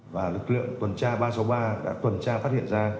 và lực lượng tuần tra ba trăm sáu mươi ba đã tuần tra phát hiện ra